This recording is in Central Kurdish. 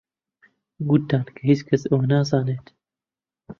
گوتتان کە هیچ کەس ئەوە نازانێت